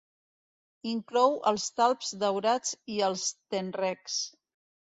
Inclou els talps daurats i els tenrecs.